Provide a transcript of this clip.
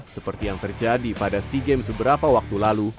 seperti yang terjadi pada sea games beberapa waktu lalu